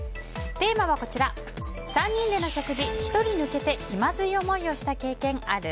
テーマは３人での食事、１人抜けて気まずい思いをした経験ある？